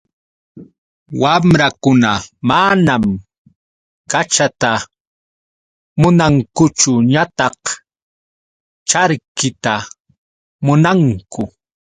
Wamrakuna manam kachata munankuchu ñataq charkita munanku.